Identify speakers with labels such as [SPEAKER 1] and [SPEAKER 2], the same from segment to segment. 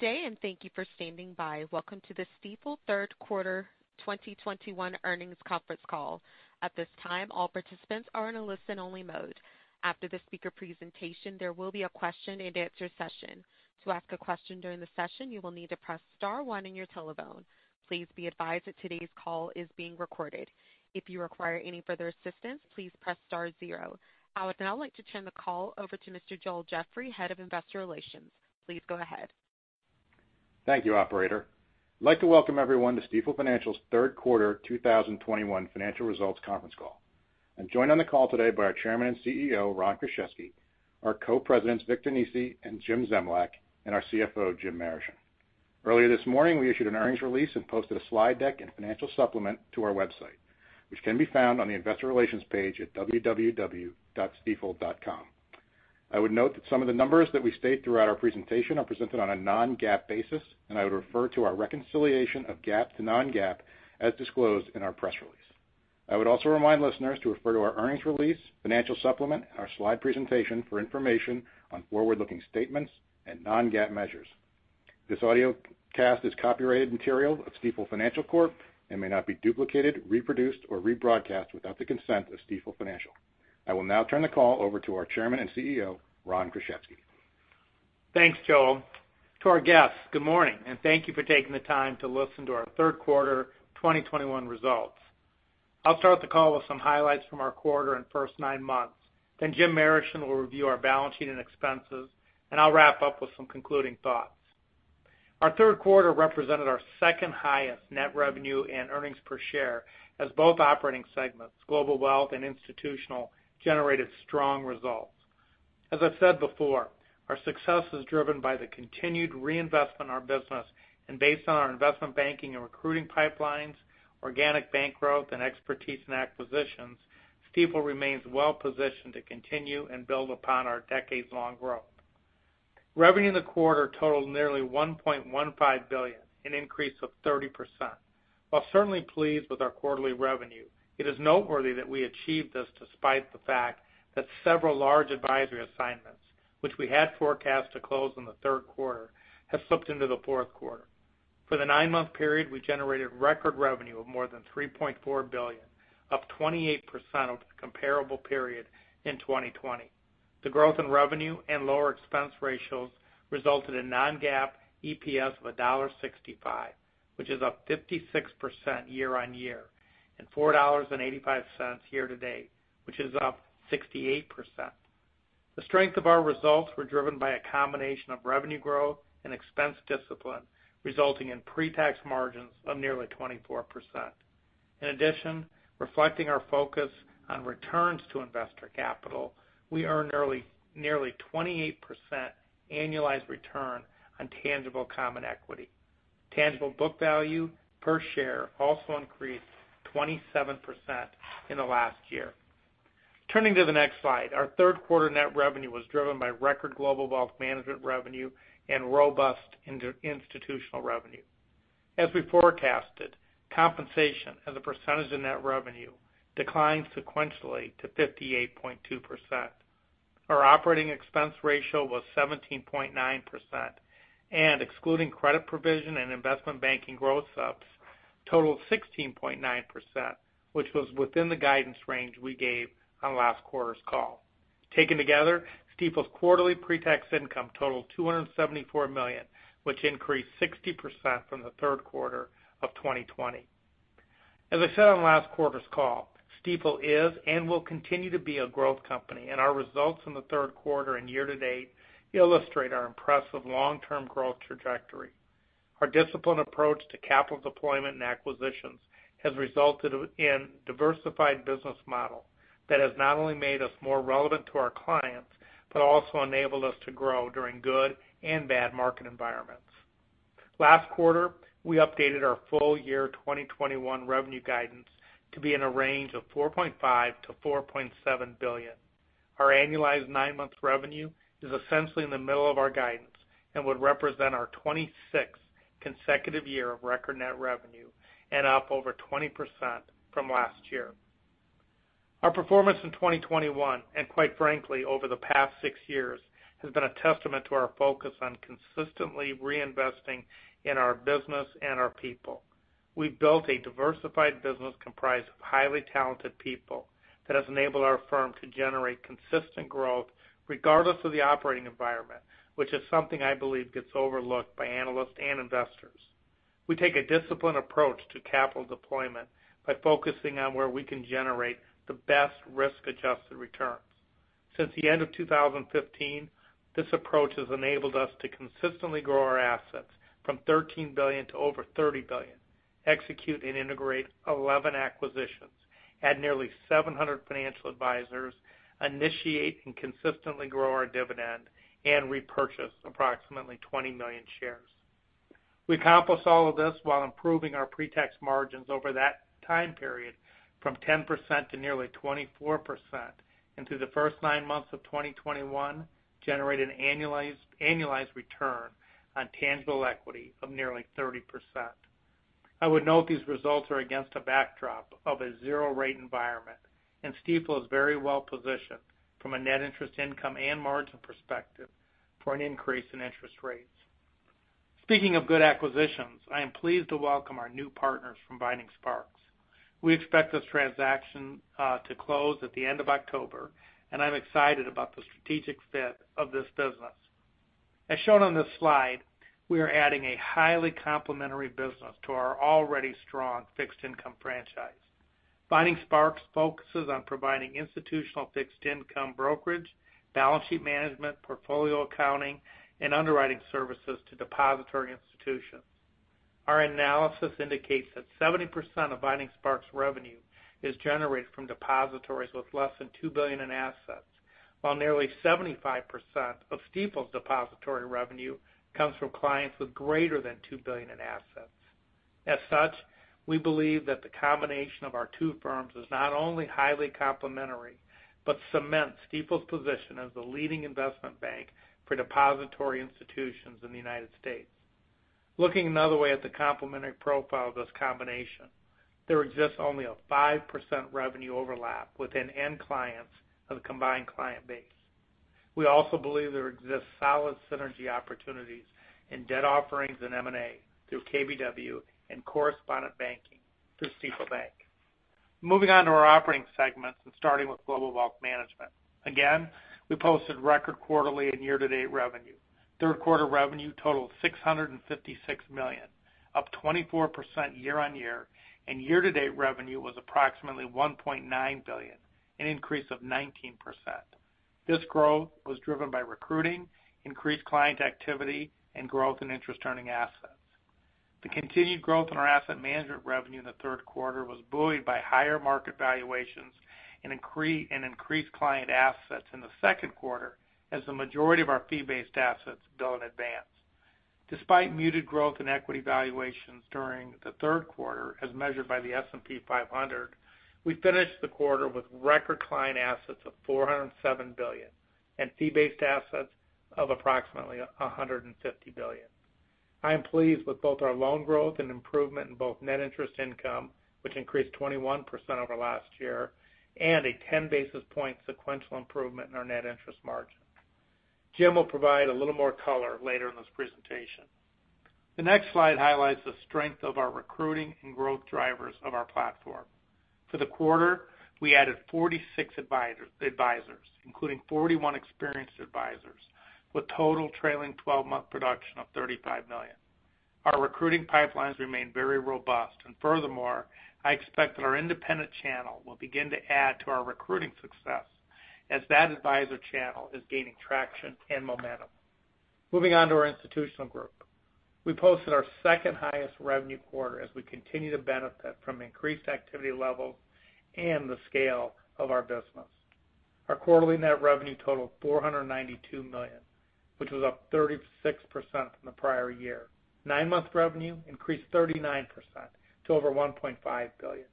[SPEAKER 1] Good day, and thank you for standing by. Welcome to the Stifel third quarter 2021 earnings conference call. At this time, all participants are in a listen-only mode. After the speaker presentation, there will be a question-and-answer session. To ask a question during the session, you will need to press Star one on your telephone. Please be advised that today's call is being recorded. If you require any further assistance, please press Star zero. I would now like to turn the call over to Mr. Joel Jeffrey, Head of Investor Relations. Please go ahead.
[SPEAKER 2] Thank you, operator. I'd like to welcome everyone to Stifel Financial's third quarter 2021 financial results conference call. I'm joined on the call today by our Chairman and CEO, Ron Kruszewski, our Co-Presidents, Vic Nesi and Jim Zemlyak, and our CFO, Jim Marischen. Earlier this morning, we issued an earnings release and posted a slide deck and financial supplement to our website, which can be found on the investor relations page at www.stifel.com. I would note that some of the numbers that we state throughout our presentation are presented on a non-GAAP basis, and I would refer to our reconciliation of GAAP to non-GAAP as disclosed in our press release. I would also remind listeners to refer to our earnings release, financial supplement, and our slide presentation for information on forward-looking statements and non-GAAP measures. This audio cast is copyrighted material of Stifel Financial Corp. May not be duplicated, reproduced, or rebroadcast without the consent of Stifel Financial. I will now turn the call over to our Chairman and CEO, Ron Kruszewski.
[SPEAKER 3] Thanks, Joel. To our guests, good morning, and thank you for taking the time to listen to our third quarter 2021 results. I'll start the call with some highlights from our quarter and first nine months. Then Jim Marischen will review our balance sheet and expenses, and I'll wrap up with some concluding thoughts. Our third quarter represented our second-highest net revenue and earnings per share as both operating segments, Global Wealth and Institutional, generated strong results. As I've said before, our success is driven by the continued reinvestment in our business. Based on our investment banking and recruiting pipelines, organic bank growth, and expertise in acquisitions, Stifel remains well-positioned to continue and build upon our decades-long growth. Revenue in the quarter totaled nearly $1.15 billion, an increase of 30%. While certainly pleased with our quarterly revenue, it is noteworthy that we achieved this despite the fact that several large advisory assignments, which we had forecast to close in the third quarter, have slipped into the fourth quarter. For the nine-month period, we generated record revenue of more than $3.4 billion, up 28% over the comparable period in 2020. The growth in revenue and lower expense ratios resulted in non-GAAP EPS of $1.65, which is up 56% year-on-year, and $4.85 year-to-date, which is up 68%. The strength of our results were driven by a combination of revenue growth and expense discipline, resulting in pre-tax margins of nearly 24%. In addition, reflecting our focus on returns to investor capital, we earned nearly 28% annualized return on tangible common equity. Tangible book value per share also increased 27% in the last year. Turning to the next slide, our third quarter net revenue was driven by record Global Wealth Management revenue and robust institutional revenue. As we forecasted, compensation as a percentage of net revenue declined sequentially to 58.2%. Our operating expense ratio was 17.9% and, excluding credit provision and investment banking growth opps, totaled 16.9%, which was within the guidance range we gave on last quarter's call. Taken together, Stifel's quarterly pre-tax income totaled $274 million, which increased 60% from the third quarter of 2020. As I said on last quarter's call, Stifel is and will continue to be a growth company, and our results in the third quarter and year-to-date illustrate our impressive long-term growth trajectory. Our disciplined approach to capital deployment and acquisitions has resulted in diversified business model that has not only made us more relevant to our clients, but also enabled us to grow during good and bad market environments. Last quarter, we updated our full-year 2021 revenue guidance to be in a range of $4.5 billion-$4.7 billion. Our annualized nine-month revenue is essentially in the middle of our guidance and would represent our 26th consecutive year of record net revenue and up over 20% from last year. Our performance in 2021, and quite frankly, over the past six years, has been a testament to our focus on consistently reinvesting in our business and our people. We've built a diversified business comprised of highly talented people that has enabled our firm to generate consistent growth regardless of the operating environment, which is something I believe gets overlooked by analysts and investors. We take a disciplined approach to capital deployment by focusing on where we can generate the best risk-adjusted returns. Since the end of 2015, this approach has enabled us to consistently grow our assets from $13 billion to over $30 billion, execute and integrate 11 acquisitions, add nearly 700 financial advisors, initiate and consistently grow our dividend, and repurchase approximately 20 million shares. We accomplished all of this while improving our pre-tax margins over that time period from 10% to nearly 24%, and through the first nine months of 2021, generated an annualized return on tangible equity of nearly 30%. I would note these results are against a backdrop of a zero-rate environment, and Stifel is very well positioned from a net interest income and margin perspective for an increase in interest rates. Speaking of good acquisitions, I am pleased to welcome our new partners from Vining Sparks. We expect this transaction to close at the end of October, and I'm excited about the strategic fit of this business. As shown on this slide, we are adding a highly complementary business to our already strong fixed income franchise. Vining Sparks focuses on providing institutional fixed income brokerage, balance sheet management, portfolio accounting, and underwriting services to depository institutions. Our analysis indicates that 70% of Vining Sparks' revenue is generated from depositories with less than $2 billion in assets, while nearly 75% of Stifel's depository revenue comes from clients with greater than $2 billion in assets. We believe that the combination of our two firms is not only highly complementary, but cements Stifel's position as the leading investment bank for depository institutions in the United States. Looking another way at the complementary profile of this combination, there exists only a 5% revenue overlap within end clients of the combined client base. We also believe there exists solid synergy opportunities in debt offerings and M&A through KBW and correspondent banking through Stifel Bank. Moving on to our operating segments and starting with Global Wealth Management. We posted record quarterly and year-to-date revenue. Third quarter revenue totaled $656 million, up 24% year-on-year, and year-to-date revenue was approximately $1.9 billion, an increase of 19%. This growth was driven by recruiting, increased client activity, and growth in interest-earning assets. The continued growth in our asset management revenue in the third quarter was buoyed by higher market valuations and increased client assets in the second quarter as the majority of our fee-based assets bill in advance. Despite muted growth in equity valuations during the third quarter, as measured by the S&P 500, we finished the quarter with record client assets of $407 billion and fee-based assets of approximately $150 billion. I am pleased with both our loan growth and improvement in both net interest income, which increased 21% over last year, and a 10 basis point sequential improvement in our net interest margin. Jim will provide a little more color later in this presentation. The next slide highlights the strength of our recruiting and growth drivers of our platform. For the quarter, we added 46 advisors, including 41 experienced advisors, with total trailing 12-month production of $35 million. Our recruiting pipelines remain very robust, and furthermore, I expect that our independent channel will begin to add to our recruiting success as that advisor channel is gaining traction and momentum. Moving on to our Institutional Group. We posted our second-highest revenue quarter as we continue to benefit from increased activity levels and the scale of our business. Our quarterly net revenue totaled $492 million, which was up 36% from the prior year. Nine-month revenue increased 39% to over $1.5 billion.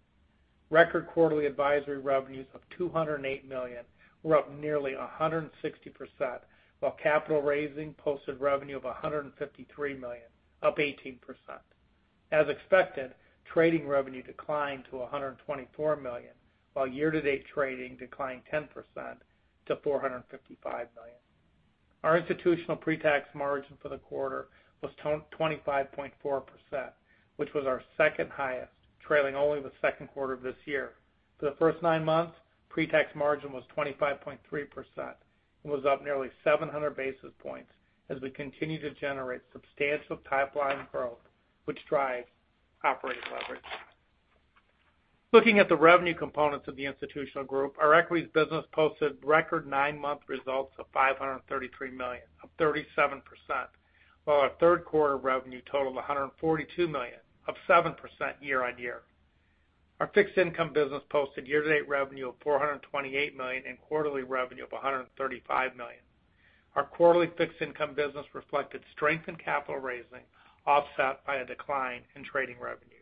[SPEAKER 3] Record quarterly advisory revenues of $208 million were up nearly 160%, while capital raising posted revenue of $153 million, up 18%. As expected, trading revenue declined to $124 million, while year-to-date trading declined 10% to $455 million. Our institutional pretax margin for the quarter was 25.4%, which was our second highest, trailing only the second quarter of this year. For the first nine months, pretax margin was 25.3% and was up nearly 700 basis points as we continue to generate substantial pipeline growth, which drives operating leverage. Looking at the revenue components of the Institutional Group, our equities business posted record nine-month results of $533 million, up 37%, while our third quarter revenue totaled $142 million, up 7% year-on-year. Our Fixed Income business posted year-to-date revenue of $428 million and quarterly revenue of $135 million. Our quarterly Fixed Income business reflected strength in capital raising, offset by a decline in trading revenue.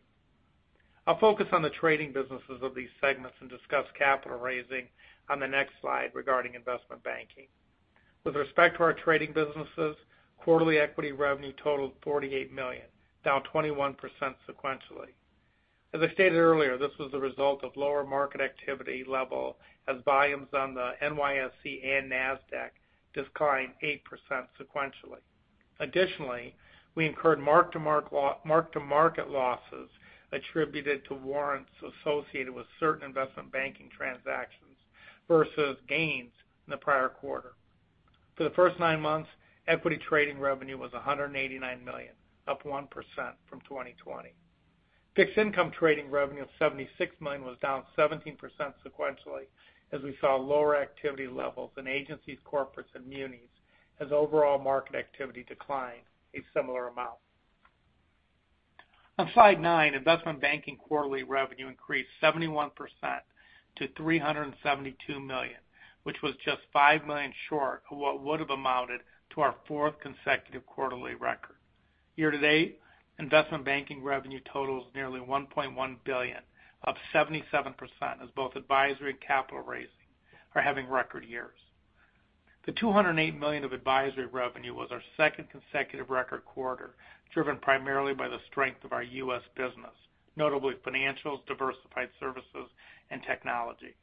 [SPEAKER 3] I'll focus on the trading businesses of these segments and discuss capital raising on the next slide regarding Investment Banking. With respect to our trading businesses, quarterly equity revenue totaled $48 million, down 21% sequentially. As I stated earlier, this was the result of lower market activity level as volumes on the NYSE and Nasdaq declined 8% sequentially. Additionally, we incurred mark-to-market losses attributed to warrants associated with certain investment banking transactions versus gains in the prior quarter. For the first nine months, equity trading revenue was $189 million, up 1% from 2020. Fixed income trading revenue of $76 million was down 17% sequentially as we saw lower activity levels in agencies, corporates, and munis as overall market activity declined a similar amount. On Slide nine, investment banking quarterly revenue increased 71% to $372 million, which was just $5 million short of what would have amounted to our fourth consecutive quarterly record. Year-to-date, Investment Banking revenue totals nearly $1.1 billion, up 77% as both advisory and capital raising are having record years. The $208 million of advisory revenue was our second consecutive record quarter, driven primarily by the strength of our U.S. business, notably financials, diversified services, and technology.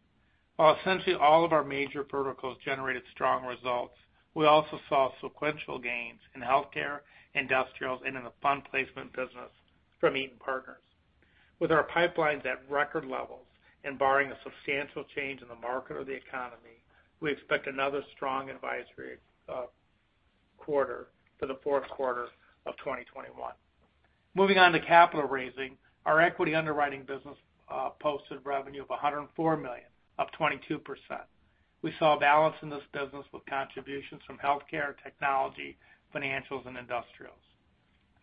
[SPEAKER 3] While essentially all of our major verticals generated strong results, we also saw sequential gains in Healthcare, Industrials, and in the Fund Placement business from Eaton Partners. With our pipelines at record levels and barring a substantial change in the market or the economy, we expect another strong advisory quarter for the fourth quarter of 2021. Moving on to capital raising. Our equity underwriting business posted revenue of $104 million, up 22%. We saw balance in this business with contributions from Healthcare, Technology, Financials, and Industrials.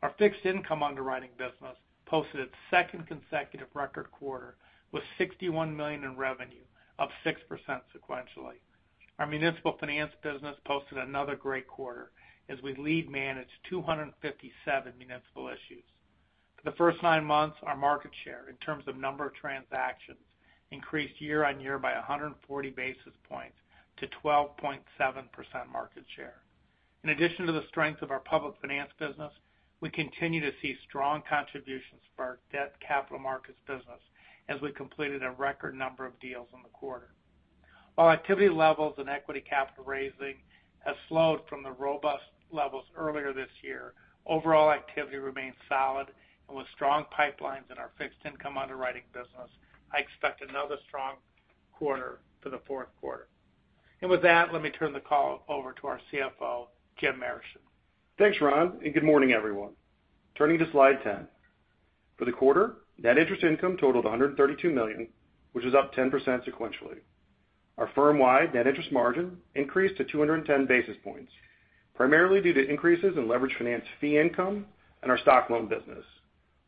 [SPEAKER 3] Our Fixed Income underwriting business posted its second consecutive record quarter with $61 million in revenue, up 6% sequentially. Our municipal finance business posted another great quarter as we lead managed 257 municipal issues. For the first nine months, our market share in terms of number of transactions increased year-on-year by 140 basis points to 12.7% market share. In addition to the strength of our Public Finance business, we continue to see strong contributions for our debt capital markets business as we completed a record number of deals in the quarter. While activity levels and equity capital raising have slowed from the robust levels earlier this year, overall activity remains solid. With strong pipelines in our Fixed Income underwriting business, I expect another strong quarter for the fourth quarter. With that, let me turn the call over to our CFO, Jim Marischen.
[SPEAKER 4] Thanks, Ron, and good morning, everyone. Turning to Slide 10. For the quarter, net interest income totaled $132 million, which is up 10% sequentially. Our firm-wide net interest margin increased to 210 basis points, primarily due to increases in leveraged finance fee income and our stock loan business,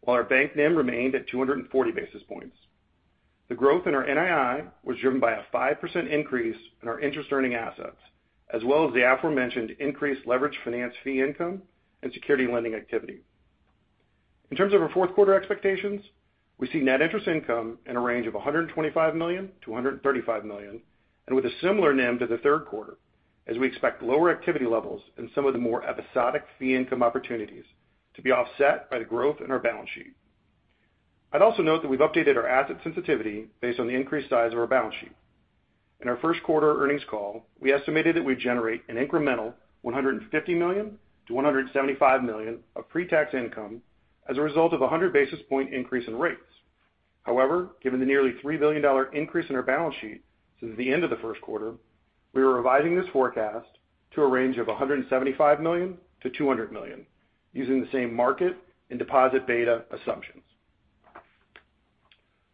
[SPEAKER 4] while our bank NIM remained at 240 basis points. The growth in our NII was driven by a 5% increase in our interest earning assets, as well as the aforementioned increased leveraged finance fee income and security lending activity. In terms of our fourth quarter expectations, we see net interest income in a range of $125 million-$135 million and with a similar NIM to the third quarter as we expect lower activity levels in some of the more episodic fee income opportunities to be offset by the growth in our balance sheet. I'd also note that we've updated our asset sensitivity based on the increased size of our balance sheet. In our first quarter earnings call, we estimated that we'd generate an incremental $150 million-$175 million of pre-tax income as a result of a 100 basis point increase in rates. However, given the nearly $3 billion increase in our balance sheet since the end of the first quarter, we are revising this forecast to a range of $175 million-$200 million using the same market and deposit beta assumptions.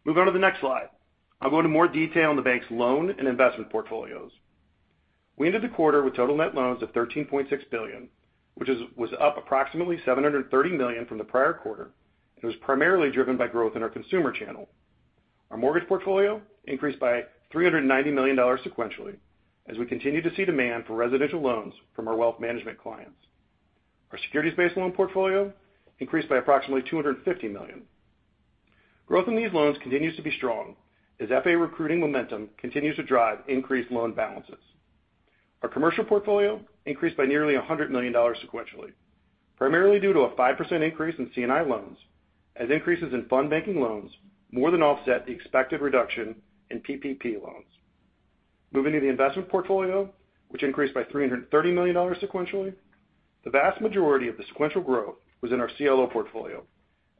[SPEAKER 4] Moving on to the next slide. I'll go into more detail on the bank's loan and investment portfolios. We ended the quarter with total net loans of $13.6 billion, which was up approximately $730 million from the prior quarter. It was primarily driven by growth in our consumer channel. Our mortgage portfolio increased by $390 million sequentially as we continue to see demand for residential loans from our Wealth Management clients. Our securities-based loan portfolio increased by approximately $250 million. Growth in these loans continues to be strong as FA recruiting momentum continues to drive increased loan balances. Our commercial portfolio increased by nearly $100 million sequentially, primarily due to a 5% increase in C&I loans as increases in fund banking loans more than offset the expected reduction in PPP loans. Moving to the investment portfolio, which increased by $330 million sequentially, the vast majority of the sequential growth was in our CLO portfolio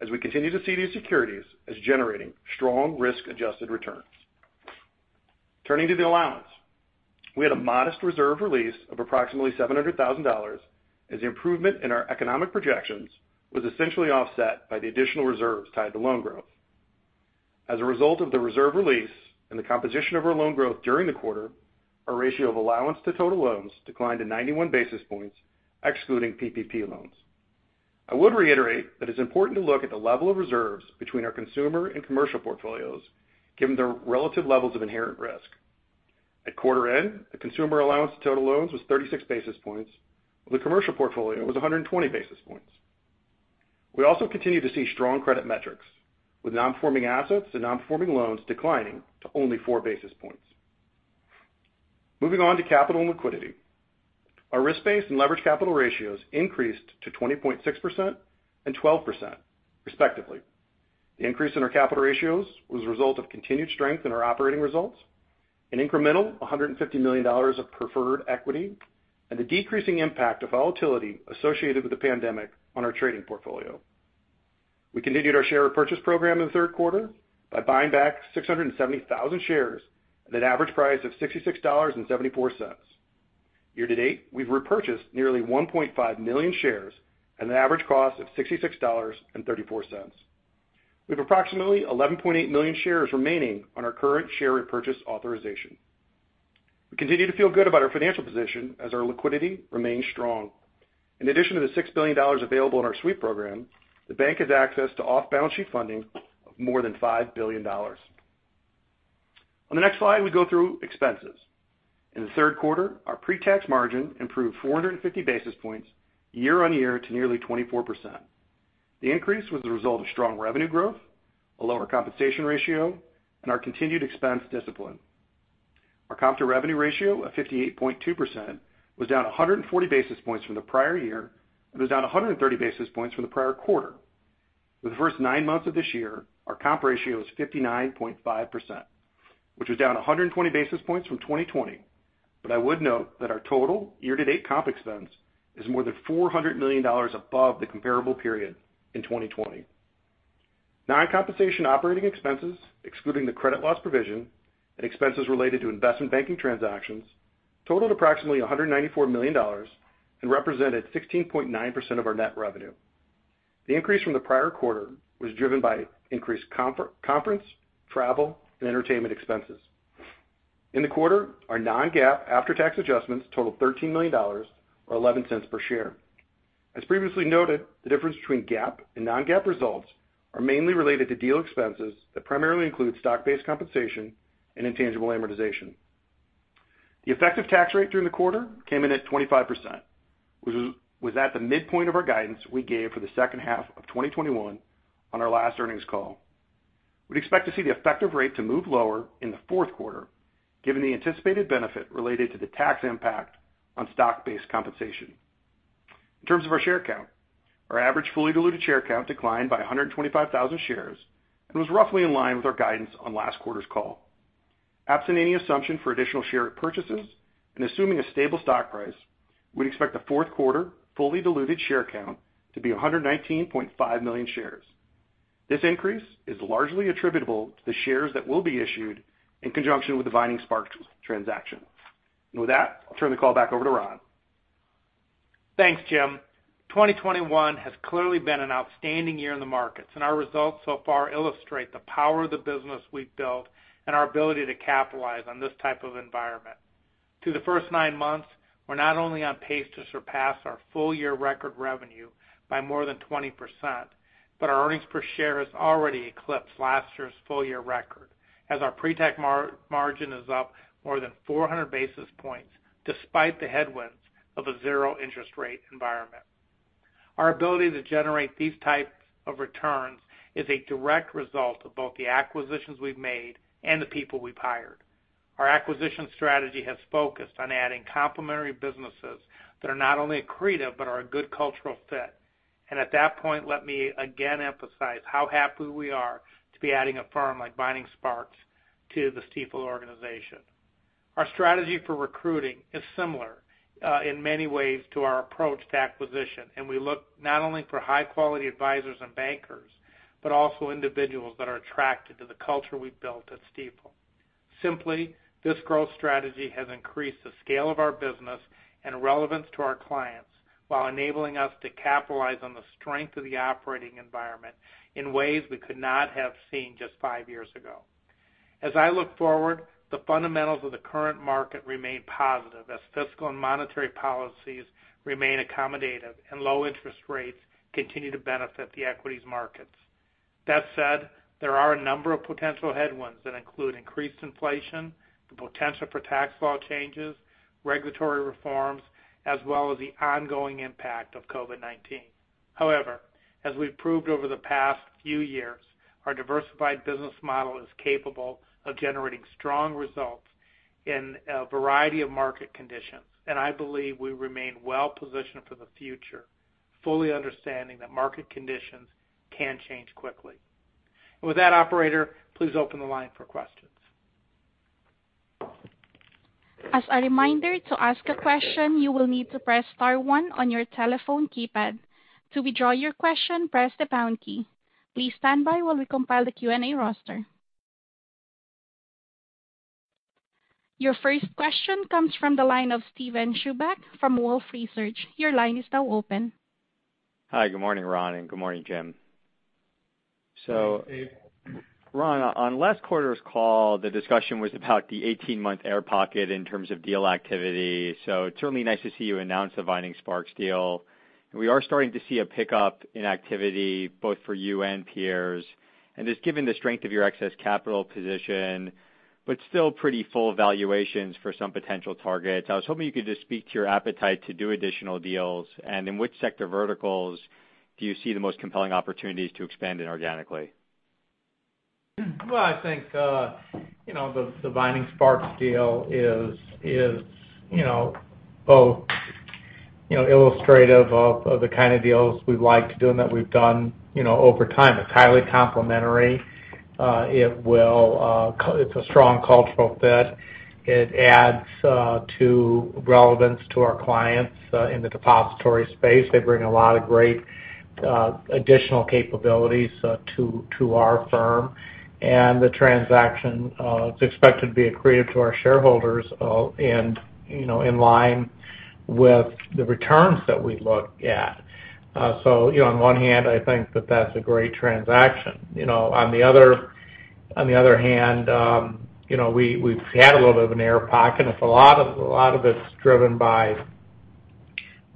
[SPEAKER 4] as we continue to see these securities as generating strong risk-adjusted returns. Turning to the allowance. We had a modest reserve release of approximately $700,000 as the improvement in our economic projections was essentially offset by the additional reserves tied to loan growth. As a result of the reserve release and the composition of our loan growth during the quarter, our ratio of allowance to total loans declined to 91 basis points, excluding PPP loans. I would reiterate that it's important to look at the level of reserves between our consumer and commercial portfolios given their relative levels of inherent risk. At quarter-end, the consumer allowance to total loans was 36 basis points, while the commercial portfolio was 120 basis points. We also continue to see strong credit metrics, with non-performing assets and non-performing loans declining to only 4 basis points. Moving on to capital and liquidity. Our risk-based and leverage capital ratios increased to 20.6% and 12% respectively. The increase in our capital ratios was a result of continued strength in our operating results, an incremental $150 million of preferred equity, and the decreasing impact of volatility associated with the pandemic on our trading portfolio. We continued our share repurchase program in the third quarter by buying back 670,000 shares at an average price of $66.74. Year-to-date, we've repurchased nearly 1.5 million shares at an average cost of $66.34. We have approximately 11.8 million shares remaining on our current share repurchase authorization. We continue to feel good about our financial position as our liquidity remains strong. In addition to the $6 billion available in our sweep program, the bank has access to off-balance sheet funding of more than $5 billion. On the next slide, we go through expenses. In the third quarter, our pre-tax margin improved 450 basis points year-over-year to nearly 24%. The increase was the result of strong revenue growth, a lower compensation ratio, and our continued expense discipline. Our comp-to-revenue ratio of 58.2% was down 140 basis points from the prior year, and was down 130 basis points from the prior quarter. For the first nine months of this year, our comp ratio was 59.5%, which was down 120 basis points from 2020. I would note that our total year-to-date comp expense is more than $400 million above the comparable period in 2020. Non-compensation operating expenses, excluding the credit loss provision and expenses related to Investment Banking transactions, totaled approximately $194 million and represented 16.9% of our net revenue. The increase from the prior quarter was driven by increased conference, travel, and entertainment expenses. In the quarter, our non-GAAP, after-tax adjustments totaled $13 million or $0.11 per share. As previously noted, the difference between GAAP and non-GAAP results are mainly related to deal expenses that primarily include stock-based compensation and intangible amortization. The effective tax rate during the quarter came in at 25%, which was at the midpoint of our guidance we gave for the second half of 2021 on our last earnings call. We'd expect to see the effective rate to move lower in the fourth quarter, given the anticipated benefit related to the tax impact on stock-based compensation. In terms of our share count, our average fully diluted share count declined by 125,000 shares and was roughly in line with our guidance on last quarter's call. Absent any assumption for additional share purchases and assuming a stable stock price, we'd expect the fourth quarter fully diluted share count to be 119.5 million shares. This increase is largely attributable to the shares that will be issued in conjunction with the Vining Sparks transaction. With that, I'll turn the call back over to Ron.
[SPEAKER 3] Thanks, Jim. 2021 has clearly been an outstanding year in the markets, and our results so far illustrate the power of the business we've built and our ability to capitalize on this type of environment. Through the first nine months, we're not only on pace to surpass our full-year record revenue by more than 20%, but our earnings per share has already eclipsed last year's full-year record, as our pre-tax margin is up more than 400 basis points, despite the headwinds of a zero interest rate environment. Our ability to generate these types of returns is a direct result of both the acquisitions we've made and the people we've hired. Our acquisition strategy has focused on adding complementary businesses that are not only accretive but are a good cultural fit. At that point, let me again emphasize how happy we are to be adding a firm like Vining Sparks to the Stifel organization. Our strategy for recruiting is similar in many ways to our approach to acquisition, and we look not only for high-quality advisors and bankers, but also individuals that are attracted to the culture we've built at Stifel. Simply, this growth strategy has increased the scale of our business and relevance to our clients while enabling us to capitalize on the strength of the operating environment in ways we could not have seen just five years ago. As I look forward, the fundamentals of the current market remain positive as fiscal and monetary policies remain accommodative and low interest rates continue to benefit the equities markets. That said, there are a number of potential headwinds that include increased inflation, the potential for tax law changes, regulatory reforms, as well as the ongoing impact of COVID-19. However, as we've proved over the past few years, our Diversified business model is capable of generating strong results in a variety of market conditions, and I believe we remain well positioned for the future, fully understanding that market conditions can change quickly. With that, operator, please open the line for questions.
[SPEAKER 1] As a reminder to ask a question you will need to please press Star one on your telephone keypad. To withdraw your question press the Pound key. Please standy by as we compile the Q&A roster. The Your first question comes from the line of Steven Chubak from Wolfe Research. Your line is now open.
[SPEAKER 5] Hi, good morning, Ron, and good morning, Jim.
[SPEAKER 3] Good morning, Steve.
[SPEAKER 5] Ron, on last quarter's call, the discussion was about the 18-month air pocket in terms of deal activity. It's certainly nice to see you announce the Vining Sparks deal. We are starting to see a pickup in activity, both for you and peers. Just given the strength of your excess capital position, but still pretty full valuations for some potential targets, I was hoping you could just speak to your appetite to do additional deals. In which sector verticals do you see the most compelling opportunities to expand inorganically?
[SPEAKER 3] Well, I think, you know, the Vining Sparks deal is, you know, both, you know, illustrative of the kind of deals we like doing that we've done, you know, over time. It's highly complementary. It's a strong cultural fit. It adds to relevance to our clients in the depository space. They bring a lot of great additional capabilities to our firm. The transaction is expected to be accretive to our shareholders and, you know, in line with the returns that we look at. You know, on one hand, I think that that's a great transaction. You know, on the other hand, you know, we've had a little bit of an air pocket, and it's a lot of it's driven by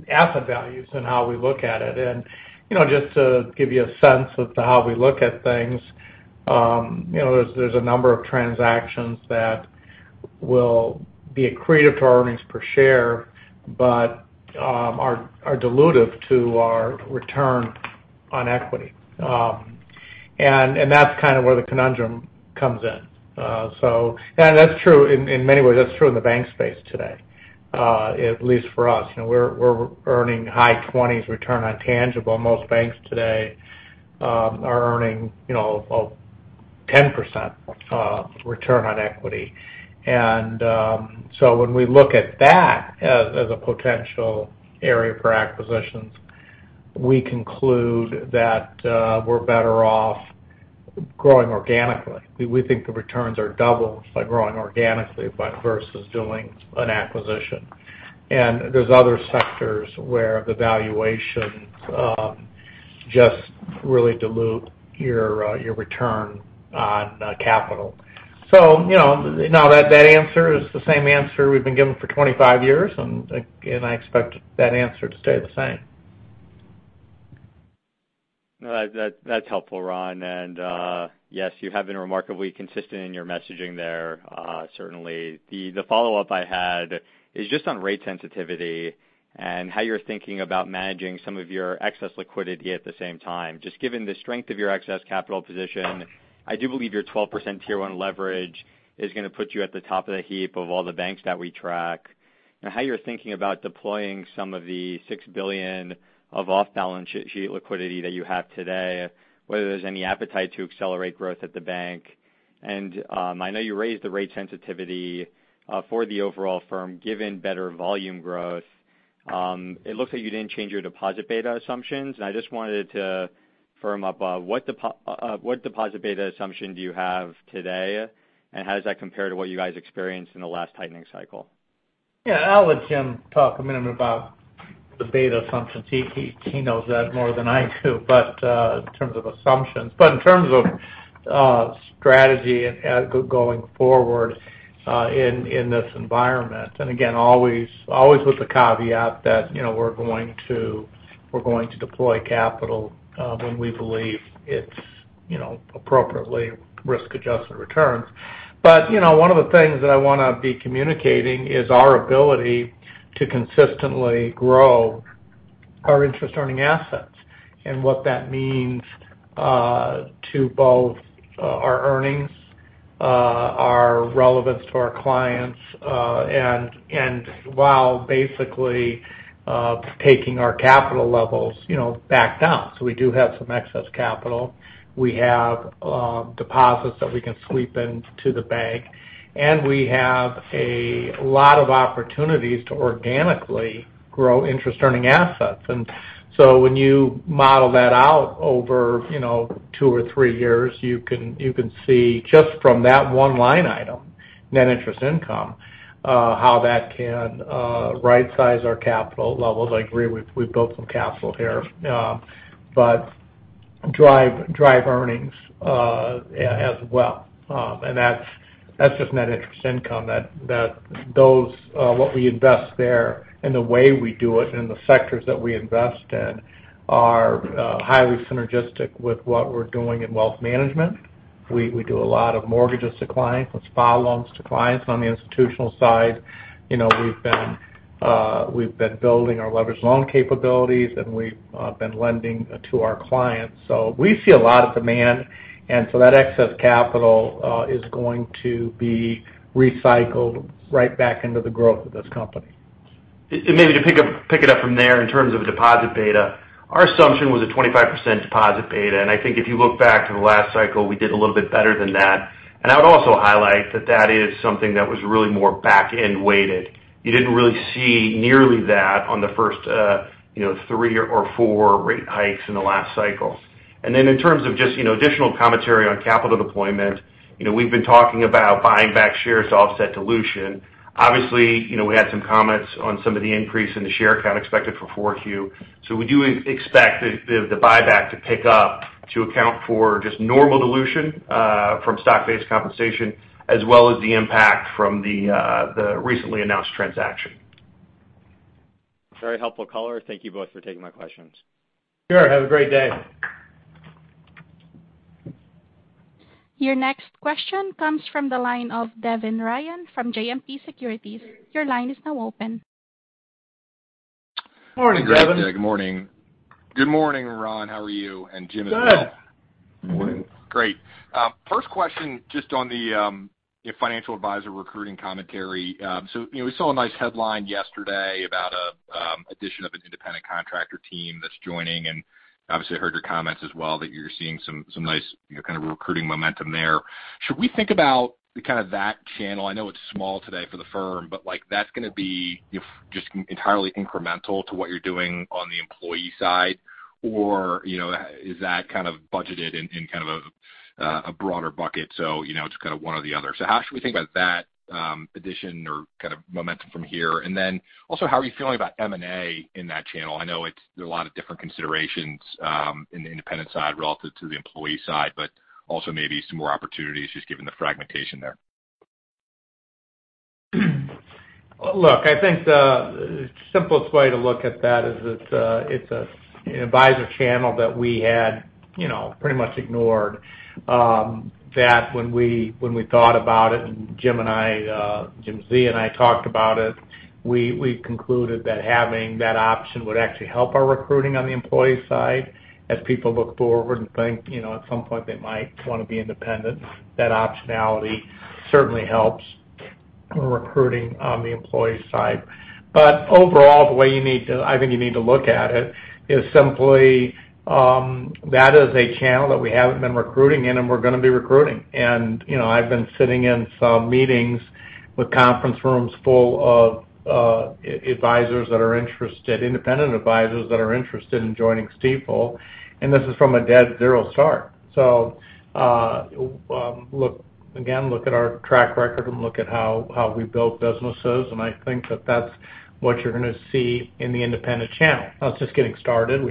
[SPEAKER 3] asset values and how we look at it. You know, just to give you a sense as to how we look at things, you know, there's a number of transactions that will be accretive to our earnings per share, but are dilutive to our return on equity. And that's kind of where the conundrum comes in. That's true in many ways, that's true in the bank space today, at least for us. You know, we're earning high 20s return on tangible. Most banks today are earning, you know, 10%, return on equity. When we look at that as a potential area for acquisitions, we conclude that we're better off growing organically. We think the returns are double by growing organically versus doing an acquisition. There's other sectors where the valuations just really dilute your return on capital. You know, now that answer is the same answer we've been giving for 25 years. I expect that answer to stay the same.
[SPEAKER 5] No, that's helpful, Ron. Yes, you have been remarkably consistent in your messaging there, certainly. The follow-up I had is just on rate sensitivity and how you're thinking about managing some of your excess liquidity at the same time. Just given the strength of your excess capital position, I do believe your 12% Tier 1 leverage is gonna put you at the top of the heap of all the banks that we track. Now, how you're thinking about deploying some of the $6 billion of off-balance sheet liquidity that you have today, whether there's any appetite to accelerate growth at the bank. I know you raised the rate sensitivity for the overall firm, given better volume growth. It looks like you didn't change your deposit beta assumptions, and I just wanted to firm up what deposit beta assumption do you have today, and how does that compare to what you guys experienced in the last tightening cycle?
[SPEAKER 3] Yeah. I'll let Jim talk a minute about the beta assumptions. He knows that more than I do, but in terms of assumptions. In terms of strategy and going forward, in this environment, and again, always with the caveat that, you know, we're going to deploy capital when we believe it's, you know, appropriately risk-adjusted returns. You know, one of the things that I wanna be communicating is our ability to consistently grow our interest earning assets and what that means to both our earnings, our relevance to our clients, and while basically taking our capital levels, you know, back down. We do have some excess capital. We have deposits that we can sweep into the bank, and we have a lot of opportunities to organically grow interest earning assets. When you model that out over, you know, two or three years, you can see just from that one line item, net interest income, how that can rightsize our capital levels. I agree, we've built some capital here, but drive earnings as well. That's just net interest income that those what we invest there and the way we do it and the sectors that we invest in are highly synergistic with what we're doing in Wealth Management. We do a lot of mortgages to clients, like SBL loans to clients on the Institutional side. You know, we've been building our leveraged loan capabilities, and we've been lending to our clients. We see a lot of demand. That excess capital is going to be recycled right back into the growth of this company.
[SPEAKER 4] Maybe to pick it up from there in terms of deposit beta. Our assumption was a 25% deposit beta, and I think if you look back to the last cycle, we did a little bit better than that. I would also highlight that that is something that was really more back-end weighted. You didn't really see nearly that on the first, you know, three or four rate hikes in the last cycle. Then in terms of just, you know, additional commentary on capital deployment, you know, we've been talking about buying back shares to offset dilution. Obviously, you know, we had some comments on some of the increase in the share count expected for Q4. We do expect the buyback to pick up to account for just normal dilution from stock-based compensation as well as the impact from the recently announced transaction.
[SPEAKER 5] Very helpful caller. Thank you both for taking my questions.
[SPEAKER 3] Sure. Have a great day.
[SPEAKER 1] Your next question comes from the line of Devin Ryan from JMP Securities. Your line is now open.
[SPEAKER 3] Morning, Devin.
[SPEAKER 6] Good morning. Good morning, Ron. How are you? Jim as well.
[SPEAKER 3] Good.
[SPEAKER 4] Morning.
[SPEAKER 6] Great. First question, just on the financial advisor recruiting commentary. You know, we saw a nice headline yesterday about a addition of an independent contractor team that's joining, and obviously I heard your comments as well, that you're seeing some nice, you know, kind of recruiting momentum there. Should we think about the kind of that channel, I know it's small today for the firm, but, like, that's gonna be just entirely incremental to what you're doing on the employee side? You know, is that kind of budgeted in kind of a broader bucket, so, you know, just kind of one or the other. How should we think about that addition or kind of momentum from here? Then also, how are you feeling about M&A in that channel? I know it's a lot of different considerations in the independent side relative to the employee side, but also maybe some more opportunities just given the fragmentation there.
[SPEAKER 3] Look, I think the simplest way to look at that is it's an advisor channel that we had, you know, pretty much ignored. That when we thought about it, and Jim and I talked about it, we concluded that having that option would actually help our recruiting on the employee side as people look forward and think, you know, at some point they might wanna be independent. That optionality certainly helps recruiting on the employee side. But overall, I think you need to look at it is simply that is a channel that we haven't been recruiting in, and we're gonna be recruiting. You know, I've been sitting in some meetings with conference rooms full of advisors that are interested, independent advisors that are interested in joining Stifel, and this is from a dead zero start. Look again at our track record and look at how we build businesses, and I think that that's what you're gonna see in the independent channel. That's just getting started.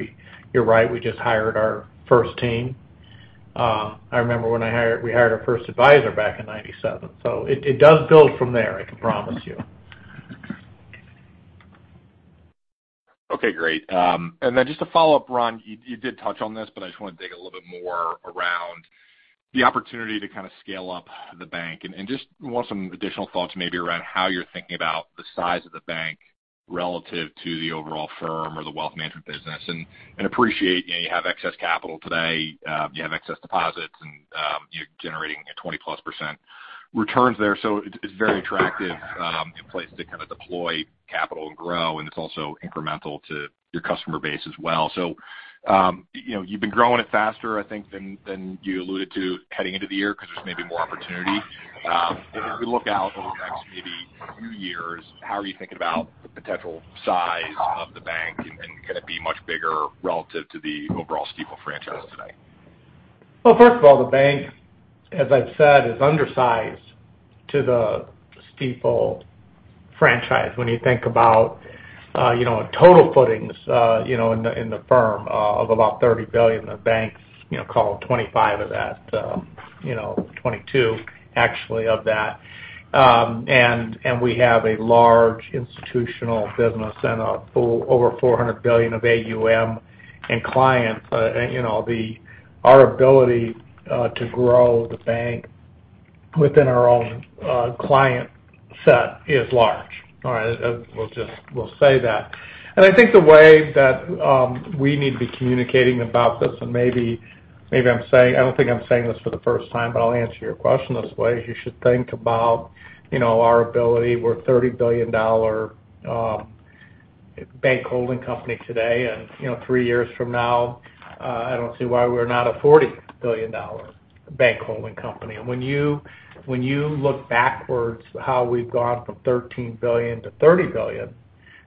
[SPEAKER 3] You're right, we just hired our first team. I remember when we hired our first advisor back in 1997. It does build from there, I can promise you.
[SPEAKER 6] Okay, great. Just to follow-up, Ron, you did touch on this, but I just wanna dig a little bit more around the opportunity to kind of scale up the bank. I just want some additional thoughts maybe around how you're thinking about the size of the bank relative to the overall firm or the Wealth Management business. I appreciate, you know, you have excess capital today, you have excess deposits, and you're generating, you know, 20%+ returns there. It's very attractive, a place to kind of deploy capital and grow, and it's also incremental to your customer base as well. You know, you've been growing it faster, I think, than you alluded to heading into the year because there's maybe more opportunity. As we look out over the next maybe few years, how are you thinking about the potential size of the bank, and can it be much bigger relative to the overall Stifel franchise today?
[SPEAKER 3] Well, first of all, the bank, as I've said, is undersized to the Stifel franchise. When you think about, you know, total footings, you know, in the firm, of about $30 billion, the banks, you know, call 25 of that. You know, 22 actually of that. We have a large Institutional business and, over $400 billion of AUM in clients. Our ability to grow the bank within our own client set is large. All right? We'll say that. I think the way that we need to be communicating about this, and maybe I'm saying I don't think I'm saying this for the first time, but I'll answer your question this way. You should think about, you know, our ability. We're a $30 billion bank holding company today. Three years from now, I don't see why we're not a $40 billion bank holding company. When you look backwards how we've gone from $13 billion-$30 billion,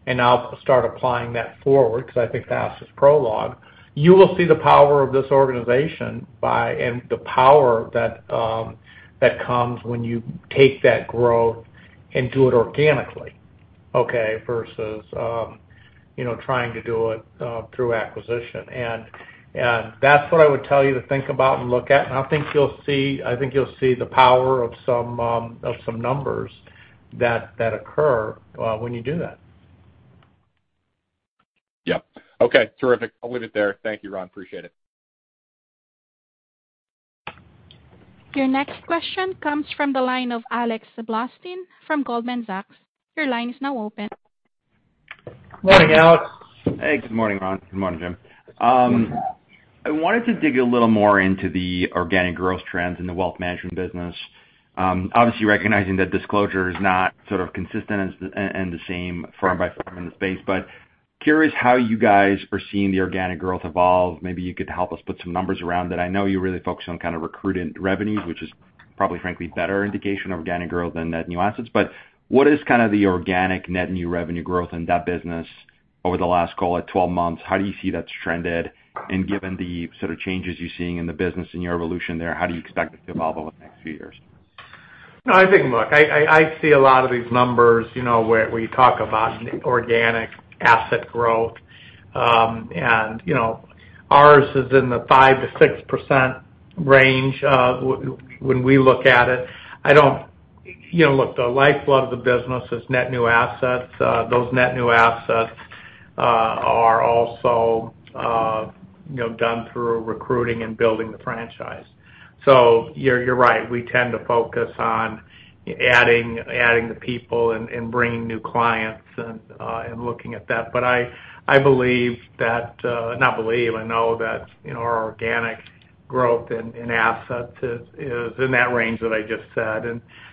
[SPEAKER 3] and now start applying that forward, 'cause I think the past is prologue, you will see the power of this organization and the power that comes when you take that growth and do it organically, okay? Versus trying to do it through acquisition. That's what I would tell you to think about and look at. I think you'll see the power of some numbers that occur when you do that.
[SPEAKER 6] Yeah. Okay, terrific. I'll leave it there. Thank you, Ron. Appreciate it.
[SPEAKER 1] Your next question comes from the line of Alex Blostein from Goldman Sachs. Your line is now open.
[SPEAKER 3] Morning, Alex.
[SPEAKER 7] Hey. Good morning, Ron. Good morning, Jim. I wanted to dig a little more into the organic growth trends in the Wealth Management business. Obviously recognizing that disclosure is not sort of consistent and the same firm by firm in the space. Curious how you guys are seeing the organic growth evolve. Maybe you could help us put some numbers around it. I know you really focus on kind of recruiting revenues, which is probably frankly better indication of organic growth than net new assets. What is kind of the organic net new revenue growth in that business over the last, call it, 12 months? How do you see that's trended? Given the sort of changes you're seeing in the business and your evolution there, how do you expect it to evolve over the next few years?
[SPEAKER 3] No, I think, look, I see a lot of these numbers, you know, where you talk about organic asset growth. You know, ours is in the 5%-6% range when we look at it. You know, look, the lifeblood of the business is net new assets. Those net new assets are also, you know, done through recruiting and building the franchise. You're right. We tend to focus on adding the people and bringing new clients and looking at that. But I know that, you know, our organic growth in assets is in that range that I just said.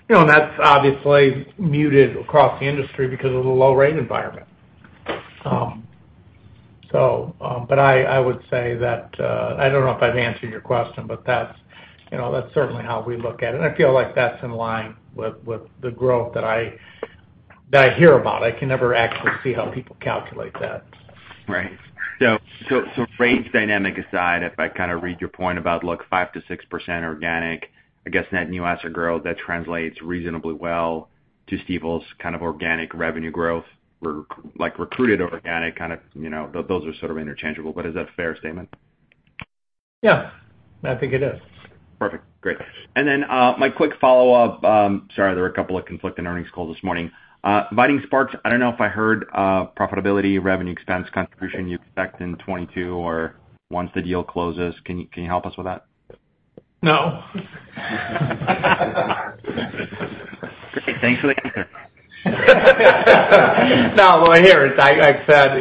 [SPEAKER 3] You know, that's obviously muted across the industry because of the low rate environment. I would say that I don't know if I've answered your question, but that's, you know, that's certainly how we look at it. I feel like that's in line with the growth that I hear about. I can never actually see how people calculate that.
[SPEAKER 7] Right. Rates dynamic aside, if I kind of read your point about, look, 5%-6% organic, I guess net new asset growth, that translates reasonably well to Stifel's kind of organic revenue growth. Like recruited organic kind of, you know, those are sort of interchangeable, but is that a fair statement?
[SPEAKER 3] Yeah, I think it is.
[SPEAKER 7] Perfect. Great. My quick follow-up, sorry, there are a couple of conflicting earnings calls this morning. Vining Sparks, I don't know if I heard profitability, revenue, expense contribution you expect in 2022 or once the deal closes. Can you help us with that?
[SPEAKER 3] No.
[SPEAKER 7] Okay, thanks for the answer.
[SPEAKER 3] No, well, as I said,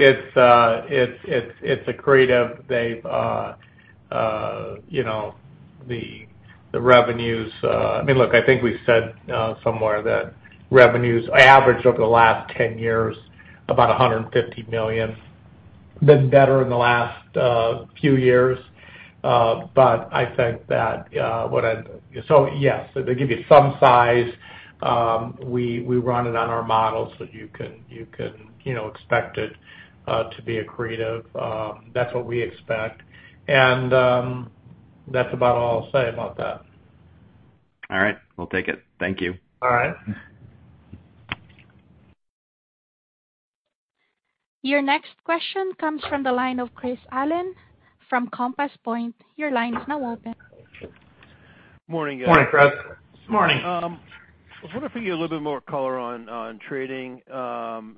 [SPEAKER 3] it's accretive. They've you know the revenues. I mean, look, I think we said somewhere that revenues average over the last 10 years about $150 million. Been better in the last few years, but I think that yes, they give you some size. We run it on our models, so you can you know expect it to be accretive. That's what we expect. That's about all I'll say about that.
[SPEAKER 7] All right. We'll take it. Thank you.
[SPEAKER 3] All right.
[SPEAKER 1] Your next question comes from the line of Chris Allen from Compass Point. Your line is now open.
[SPEAKER 8] Morning, guys.
[SPEAKER 3] Morning, Chris.
[SPEAKER 4] Morning.
[SPEAKER 8] I was wondering if you could give a little bit more color on trading,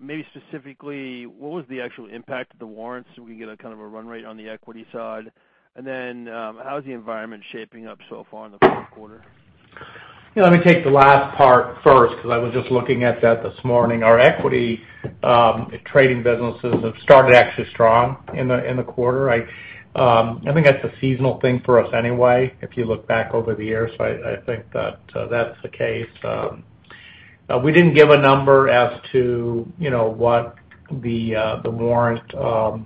[SPEAKER 8] maybe specifically, what was the actual impact of the warrants, so we can get a kind of a run rate on the equity side. How is the environment shaping up so far in the fourth quarter?
[SPEAKER 3] Yeah, let me take the last part first because I was just looking at that this morning. Our Equity Trading businesses have started actually strong in the quarter. I think that's a seasonal thing for us anyway, if you look back over the years. I think that's the case. We didn't give a number as to, you know, what the warrant was.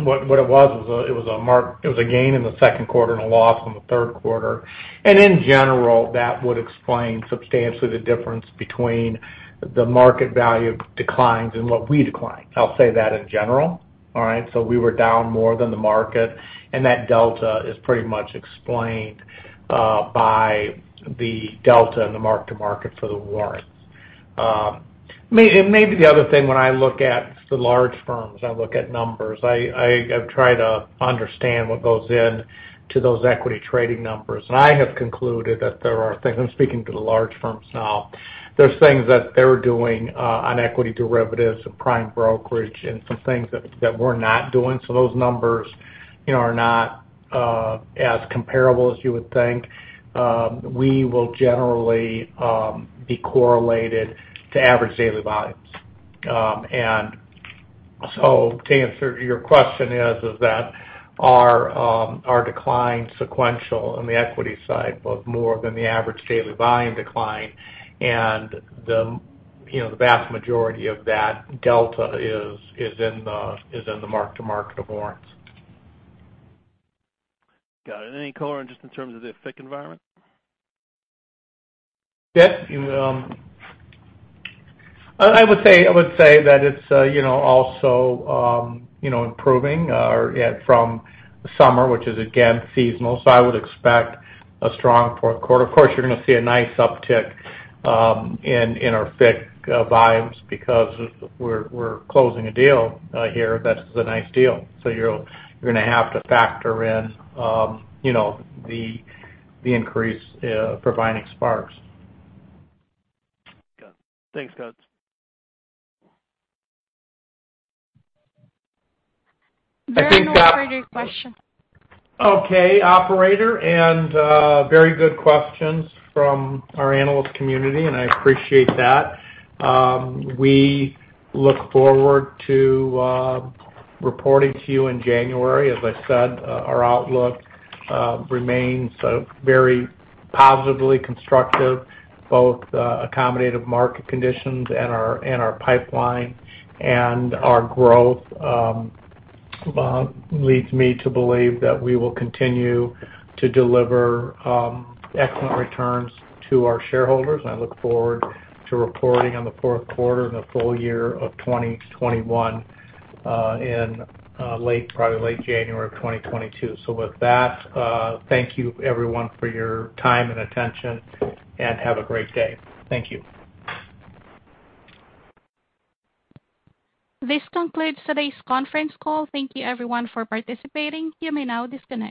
[SPEAKER 3] It was a gain in the second quarter and a loss in the third quarter. In general, that would explain substantially the difference between the market value declines and what we declined. I'll say that in general, all right? We were down more than the market, and that delta is pretty much explained by the delta in the mark-to-market for the warrants. Maybe the other thing when I look at the large firms, I look at numbers. I try to understand what goes into those equity trading numbers. I have concluded that there are things, I'm speaking to the large firms now, there's things that they're doing on equity derivatives and prime brokerage and some things that we're not doing. So those numbers, you know, are not as comparable as you would think. We will generally be correlated to average daily volumes. To answer your question, our sequential decline on the equity side was more than the average daily volume decline, and the vast majority of that delta is in the mark-to-market of warrants.
[SPEAKER 8] Got it. Any color just in terms of the FICC environment?
[SPEAKER 3] Yes. I would say that it's you know also you know improving from summer, which is again seasonal. I would expect a strong fourth quarter. Of course, you're gonna see a nice uptick in our FICC volumes because we're closing a deal here that's a nice deal. You're gonna have to factor in you know the increase from Vining Sparks.
[SPEAKER 8] Got it. Thanks, guys.
[SPEAKER 1] There are no further questions.
[SPEAKER 3] Okay, operator. Very good questions from our analyst community, and I appreciate that. We look forward to reporting to you in January. As I said, our outlook remains very positively constructive, both accommodative market conditions and our pipeline. Our growth leads me to believe that we will continue to deliver excellent returns to our shareholders. I look forward to reporting on the fourth quarter and the full-year of 2021 in late, probably late January of 2022. With that, thank you everyone for your time and attention, and have a great day. Thank you.
[SPEAKER 1] This concludes today's conference call. Thank you everyone for participating. You may now disconnect.